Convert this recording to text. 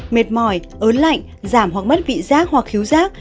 mệt mỏi ớn lạnh giảm hoặc mất vị giác hoặc khiếu rác